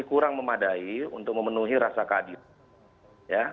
ini kurang memadai untuk memenuhi rasa kadir ya